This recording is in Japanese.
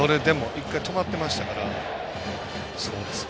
一回、止まってましたから。